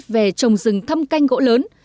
về trồng rừng thâm canh gỗ lớn